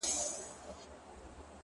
• دا خطر به قبلوي چي محوه کیږي ,